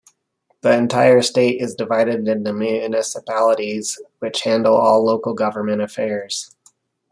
The entire state is divided into municipalities, which handle all local government affairs.